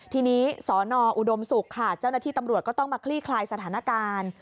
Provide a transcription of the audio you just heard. ทีนี้สอนออุดมศุกร์ค่ะเจ้าหน้าที่ตำรวจก็ต้องมาคลี่คลายสถานการณ์